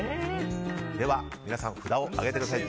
では皆さん札を上げてください。